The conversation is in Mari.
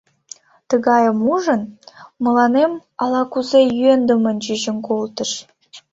Тыгайым ужын, мыланем ала-кузе йӧндымын чучын колтыш.